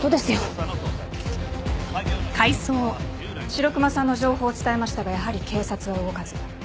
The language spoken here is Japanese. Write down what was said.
白熊さんの情報を伝えましたがやはり警察は動かず